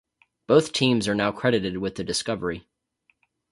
Both teams are now credited with the discovery.